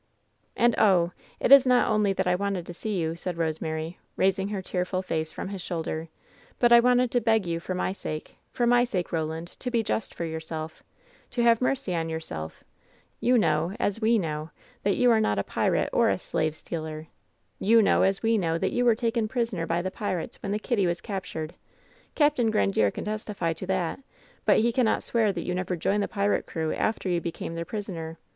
"And, oh ! it is not only that I wanted to see you," said Eosemary, raising her tearful face from his shoul der, "but I wanted to beg you for my sake — for my sake, Eoland, to be just to yourself ! To have mercy on your self ! You know, as we know, that you are not a pirate or a slave stealer ! You know, as we know, that you were taken prisoner by the pirates when the EiiUy was captured ! Capt. Grandiere can testify to that ! But he cannot swear that you never joined the pirate crew after you became their prisoner